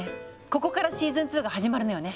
ここからシーズン２が始まるのよね。